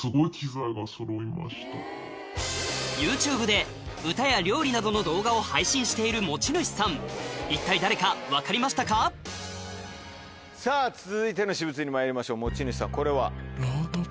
ＹｏｕＴｕｂｅで歌や料理などの動画を配信している持ち主さん続いての私物にまいりましょう持ち主さんこれは？